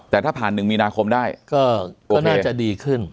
แต่ถ้าผ่าน๑มีนาคมได้ก็น่าจะดีขึ้น